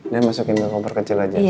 dan masukin ke kompor kecil aja